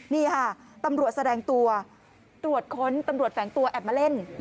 นี่ค่ะตำรวจแสดงตัวตรวจค้นตำรวจแฝงตัวแอบมาเล่น